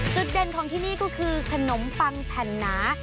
จุดเด่นของที่นี่ก็คือขนมปังแผ่นหนา